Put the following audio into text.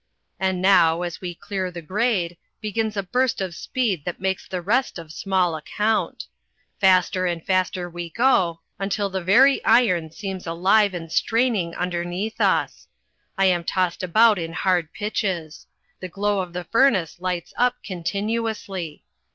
And now, as we clear the grade, begins a burst of speed that makes the rest of small account. Faster and faster we go, until the very iron seems alive and straining underneath us. I am tossed about in hard pitches. The glow of the furnace lights up continuously.